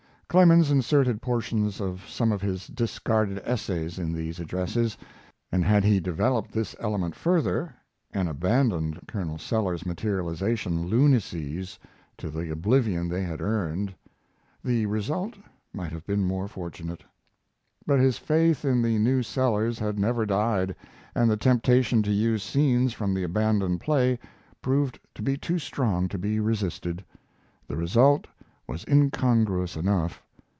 Clemens inserted portions of some of his discarded essays in these addresses, and had he developed this element further, and abandoned Colonel Sellers's materialization lunacies to the oblivion they had earned, the result might have been more fortunate. But his faith in the new Sellers had never died, and the temptation to use scenes from the abandoned play proved to be too strong to be resisted. The result was incongruous enough.